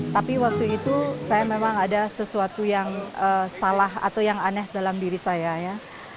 tapi waktu itu saya memang ada sesuatu yang salah atau yang aneh dalam diri saya ya